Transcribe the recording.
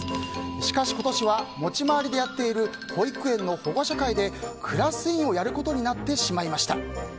しかし今年は持ち回りでやっている保育園の保護者会でクラス委員をやることになってしまいました。